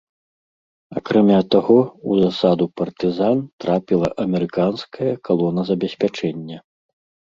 Акрамя таго, у засаду партызан трапіла амерыканская калона забеспячэння.